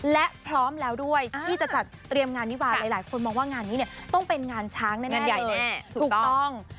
และพร้อมแล้วด้วยที่จะจัดเตรียมงานวิวาหลายคนมองว่างานนี้เนี่ยต้องเป็นงานช้างแน่ถูกต้อง